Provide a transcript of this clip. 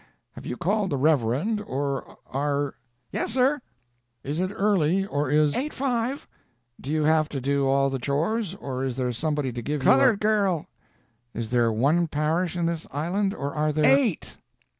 "Have you called the Reverend, or are " "Yes s'r!" "Is it early, or is " "Eight five." "Do you have to do all the 'chores,' or is there somebody to give you a " "Colored girl." "Is there only one parish in this island, or are there " "Eight!"